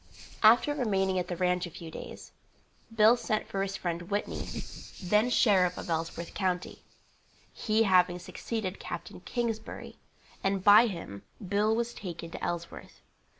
After remaining at the ranche a few days, Bill sent for his friend Whitney, then sheriff of Ellsworth county, he having succeeded Capt. Kingsbury, and by him Bill was taken to Ellsworth.